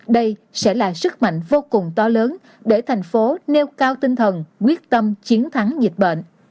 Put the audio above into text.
đây sẽ là sức mạnh vô cùng to lớn để thành phố nêu cao tinh thần quyết tâm chiến thắng dịch bệnh